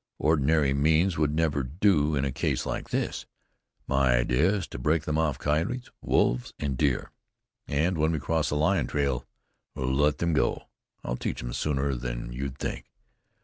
Ordinary means would never do in a case like this. My idea is to break them of coyotes, wolves and deer, and when we cross a lion trail, let them go. I'll teach them sooner than you'd think.